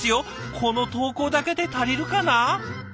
この投稿だけで足りるかな？